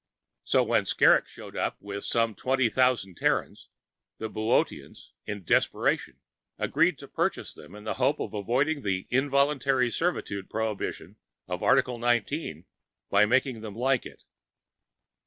So when Skrrgck showed up with some 20,000 Terrans, the Boöteans, in desperation, agreed to purchase them in the hope of avoiding the "involuntary servitude" prohibition of Article 19 by making them like it.